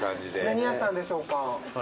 何屋さんでしょうか？